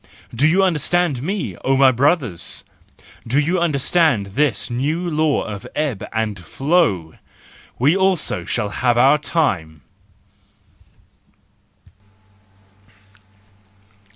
Do you understand me, oh my brothers? Do you understand this new law of ebb and flow? We also shall have our time!